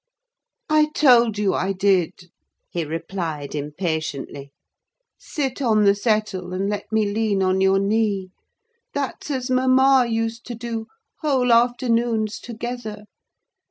"I told you I did," he replied impatiently. "Sit on the settle and let me lean on your knee. That's as mamma used to do, whole afternoons together.